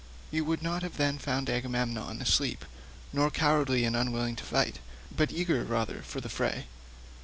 You would not have then found Agamemnon asleep nor cowardly and unwilling to fight, but eager rather for the fray.